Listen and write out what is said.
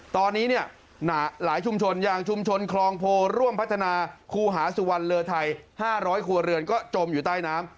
ตอนนี้เนี่ยหลายชุมชนอย่างชุมชนคลองโพร่วมพัฒนาครูหาสุวรรณเรือไทย๕๐๐ครัวเรือนก็จมอยู่ใต้น้ำ